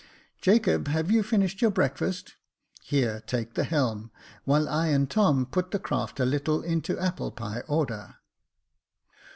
Jacob, have you finished your breakfast ? Here, take the helm, while I and Tom put the craft a little into applepie order."